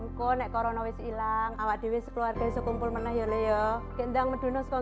ngkonek corona wis hilang awak dewi sekeluarga sekumpul menah yole yo gendang medu nos kong